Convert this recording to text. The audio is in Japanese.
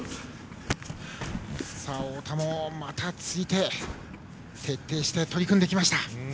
太田もまた釣り手徹底して取り組んできました。